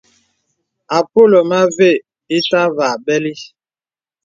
Àpōlə mə avə ìtâvà bɛli.